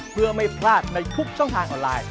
เพื่อไม่พลาดในทุกช่องทางออนไลน์